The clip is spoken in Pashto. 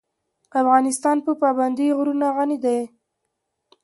افغانستان په پابندی غرونه غني دی.